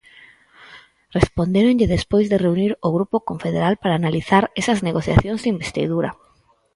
Respondéronlle despois de reunir o grupo confederal para analizar esas negociacións de investidura.